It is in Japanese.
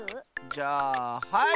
じゃあはい！